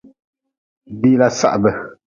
Diila sahbe.